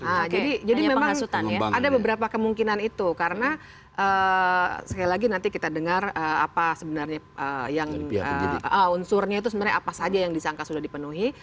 nah jadi memang ada beberapa kemungkinan itu karena sekali lagi nanti kita dengar apa sebenarnya yang unsurnya itu sebenarnya apa saja yang disangka sudah dipenuhi